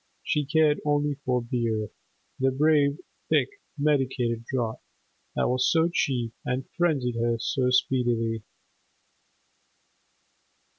She cared only for beer, the brave, thick, medicated draught, that was so cheap and frenzied her so speedily.